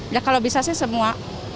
ya kalau bisa sih semua